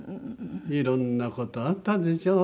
いろんな事あったでしょ？